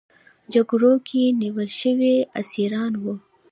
جګړو کې نیول شوي اسیران وو.